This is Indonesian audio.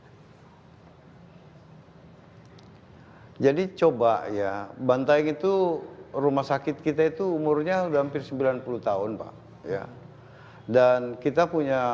hai jadi coba ya banteng itu rumah sakit kita itu umurnya udah hampir sembilan puluh tahun pak ya dan kita punya